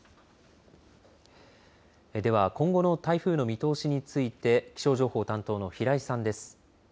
では、今後の台風の見通しについて気象情報担当の平井さんです。